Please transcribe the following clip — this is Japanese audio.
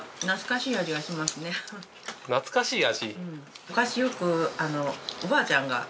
懐かしい味？